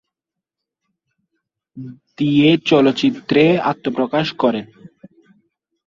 দিয়ে চলচ্চিত্রে আত্মপ্রকাশ করেন।